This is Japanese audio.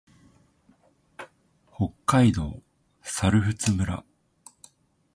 北海道猿払村